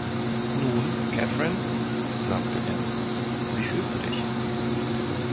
„Nun – Catherine“, sagte er, „wie fühlst du dich?“